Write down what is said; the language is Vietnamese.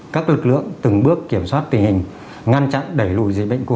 các lực lượng từng bước kiểm soát tình hình ngăn chặn đẩy lùi dịch bệnh covid một mươi chín